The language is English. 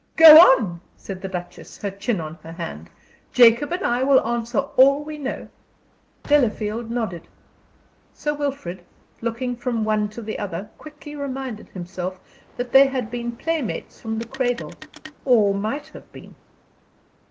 "Go on," said the Duchess, her chin on her hand. "Jacob and I will answer all we know." Delafield nodded. Sir Wilfrid, looking from one to the other, quickly reminded himself that they had been playmates from the cradle or might have been.